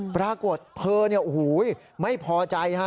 ปรากฏเธอไม่พอใจฮะ